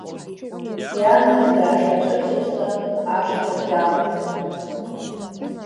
Иангьы дааӷьаҵәы-ӷьаҵәны ашҭа даақәххит.